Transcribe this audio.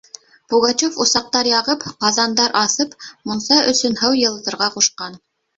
Пугачёв усаҡтар яғып, ҡаҙандар аҫып мунса өсөн һыу йылытырға ҡушҡан.